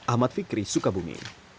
ahmad fikri sukabumi